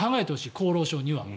厚労省には。